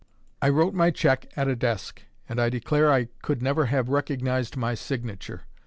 I wrote my cheque at a desk, and I declare I could never have recognised my signature.